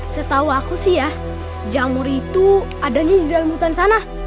setahu aku sih ya jamur itu adanya di dalam hutan sana